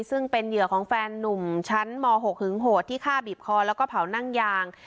ซึ่งเป็นเหยื่อของแฟนนุ่มชั้นม๖หึงโหดที่ฆ่าบีบคอแล้วก็เผานั่งยาง